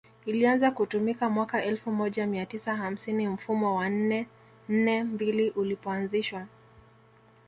ilianza kutumika mwaka elfu moja mia tisa hamsini mfumo wa nne nne mbili ulipoanzishwa